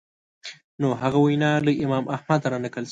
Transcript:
نو هغه وینا له امام احمد رانقل شوې